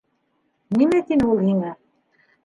Нимә тине ул һиңә?